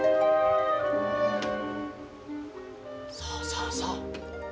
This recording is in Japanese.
そうそうそう。